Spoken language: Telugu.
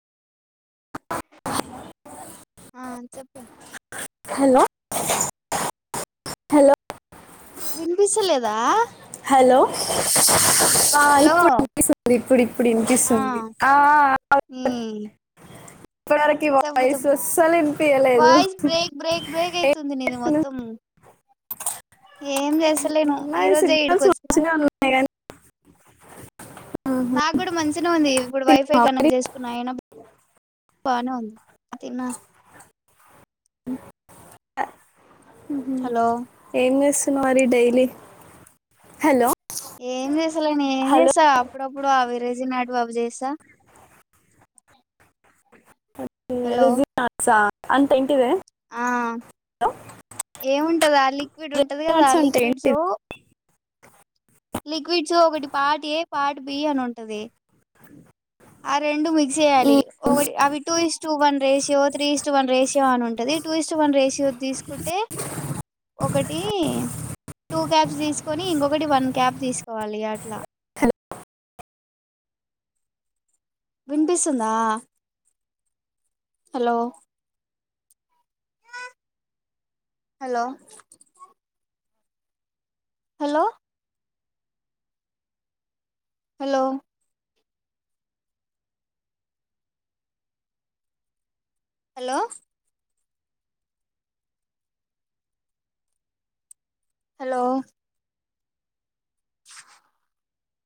ఆ చెప్పు హలో హలో వినిపిస్తలేదా హలో ఆ హలో ఇప్పుడు వినిపిస్తుంది ఇప్పుడు ఇప్పుడు ఆ వినిపిస్తుంది ఆ ఆ ఉమ్ చెప్పు చెప్పు వినిపించలేదు వయిస్ బ్రేక్ బ్రేక్ బ్రేక్ ఏం అయితుంది నీది మొత్త చేస్తున్నావు? మొత్తం ఏం చేస్తలేను ఈ ఉన్నాయి రోజే ఈడకి సిగ్నల్స్ వచ్చిన మంచిగా ఉన్నాయి కానీ నాకు కూడా మంచినే ఉంది ఇప్పుడు వైఫై తిన్నావా మరి? కనెక్ట్ చేసుకున్నా అయినా బానే ఉంది తిన్నా స హ్మ్ హు హలో ఏంచేస్తు మరి డైలీ హలో ఏం చేస్తా లే ఏం హలో చేసా అప్పుడప్పుడు అవి రెజినార్ట్ అవిచేస్తా రెజినార్ట్స్ ఆహ్ అంతే ఆ ఏముంటదా లిక్విడ్ ఉంటది కదా రెజినాట్స్ అంటే లిక్విడ్స్ ఏంటిది లిక్విడ్స్ ఒకటి పార్ట్ ఏ పార్ట్ బి అని ఉంటది ఆ రెండు మిక్స్ చేయాలి మ్, ఒకటి అవి two is two one ratio three is two ist one ratio అని ఉంటుది టూ ఇస్టు వన్ రేసియో తీసుకుంటే ఒకటి టూ క్యాబ్స్ తీసుకొని ఇంకొకటి వన్ క్యాబ్ తీసుకోవాలి అట్లా వినిపిస్తుందా hello hello hello hello hello hello